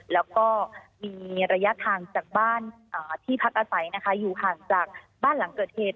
แล้วก็มีระยะทางจากบ้านที่พักอาศัยนะคะอยู่ห่างจากบ้านหลังเกิดเหตุ